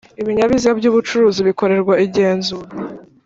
Ibinyabiziga byubucuruzi bikorerwa igenzura